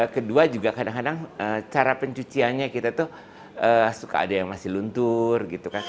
kedua juga kadang kadang cara pencuciannya kita suka ada yang masih luntur